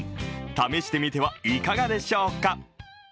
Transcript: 試してみてはいかがでしょうか？